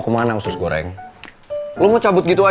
kan posisi gue udah